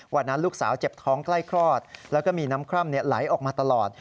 ลูกสาวเจ็บท้องใกล้คลอดแล้วก็มีน้ำคร่ำไหลออกมาตลอด